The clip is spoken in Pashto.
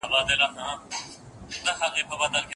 د نفقې د وجوب طریقه د کوم اصل پر بنسټ ده؟